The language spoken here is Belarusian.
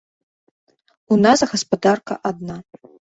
У нас гаспадарка адна.